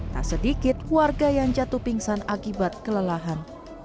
tak sedikit warga yang jatuh pingsan akibat kelelahan